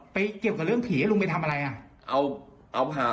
ไปเกี่ยวกับเรื่องผีให้ลุงไปทำอะไรอ่ะ